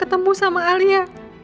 ketemu sama alia